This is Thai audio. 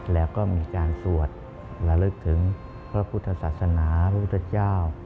แล้วก็มีการสวดระลึกถึงพระพุทธศาสนาพระพุทธเจ้า